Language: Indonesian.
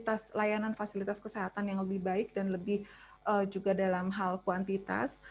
fasilitas layanan fasilitas kesehatan yang lebih baik dan lebih juga dalam hal kuantitas